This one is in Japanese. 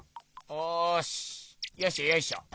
おしよいしょよいしょ。